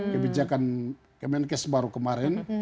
kebijakan kemenkes baru kemarin